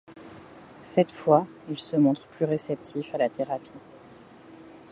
Cette fois il se montre plus réceptif à la thérapie.